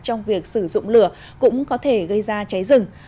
trong việc sử dụng lửa cũng có thể gây ra cháy rừng